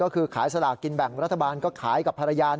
ก็คือขายสลากกินแบ่งรัฐบาลก็ขายกับภรรยา